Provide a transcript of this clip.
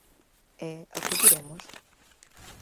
E, acudiremos?